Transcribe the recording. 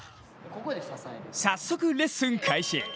早速レッスン開始。